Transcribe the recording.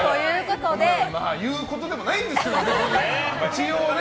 言うことでもないんですが一応ね。